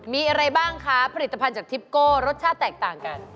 มีอะไรบ้างคะผลิตภัณฑ์จากทิปโก้รสชาติแตกต่างกัน